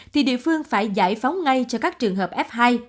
thì địa phương phải giải phóng ngay cho các trường hợp f hai